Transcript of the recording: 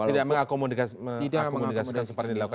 tidak mengakomodasikan seperti ini